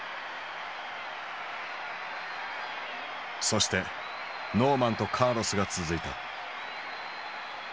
そしてノーマンとカーロスが続いた。